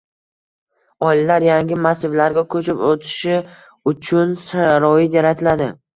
oilalar yangi massivlarga ko‘chib o‘tishi uchun sharoit yaratiladi.